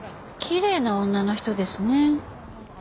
きれいな女の人ですね。